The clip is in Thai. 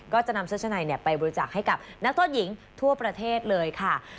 ก็จะนำเสื้อชะในไปบริจาคให้กับนักโทษหญิงทั่วประเทศเลยค่ะ